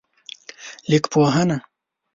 لیکپوهنه